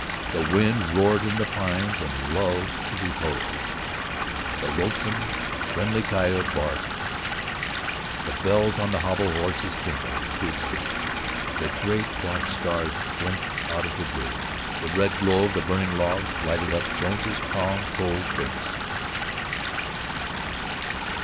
The wind roared in the pines and lulled to repose; the lonesome, friendly coyote barked; the bells on the hobbled horses jingled sweetly; the great watch stars blinked out of the blue. The red glow of the burning logs lighted up Jones's calm, cold face.